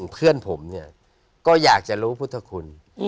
เพื่อนผมเนี่ยก็อยากจะรู้พุทธคุณ